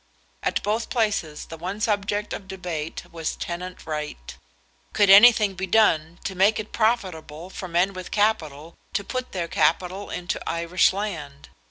At both places the one subject of debate was tenant right; could anything be done to make it profitable for men with capital to put their capital into Irish land?